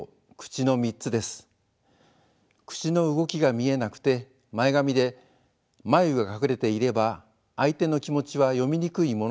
口の動きが見えなくて前髪で眉が隠れていれば相手の気持ちは読みにくいものです。